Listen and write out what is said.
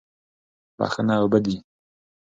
بښنه اوبه دي.